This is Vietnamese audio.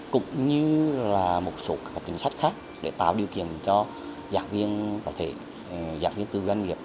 cũng như là một số các chính sách khác để tạo điều kiện cho giảng viên tự doanh nghiệp